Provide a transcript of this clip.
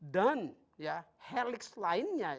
dan helix lainnya